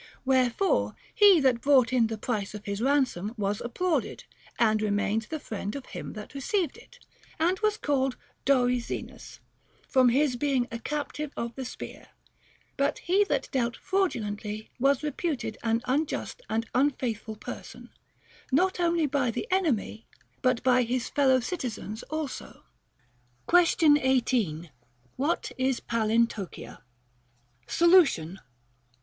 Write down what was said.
Wherefore he that brought in the price of his ransom was applauded, and remained the friend of him that received it, and was called doryx enus, from his being a captive by the spear ; but he that dealt fraudulently was reputed an unjust and unfaithful person, not only by the enemy but by his fellow citizens also. Question 18. What is nahnoxiaf Solution.